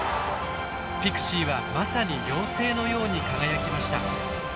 ピクシーはまさに妖精のように輝きました。